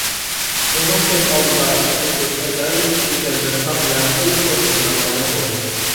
ئۇنىڭ كۆز ئالدىدا ئۇشتۇمتۇت ئاجايىپ گۈزەل بىر تاغ ۋە قويۇق ئورمان نامايان بولدى.